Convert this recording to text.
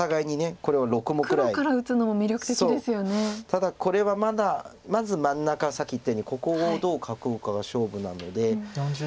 ただこれはまだまず真ん中さっき言ったようにここをどう囲うかが勝負なので。